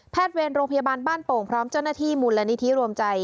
เวรโรงพยาบาลบ้านโป่งพร้อมเจ้าหน้าที่มูลนิธิรวมใจ